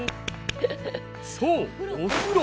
そうお風呂。